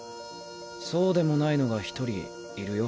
そうでもないのが１人いるよ。